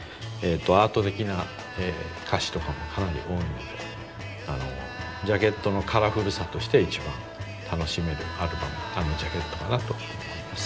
アート的な歌詞とかもかなり多いのでジャケットのカラフルさとして一番楽しめるジャケットかなと思います。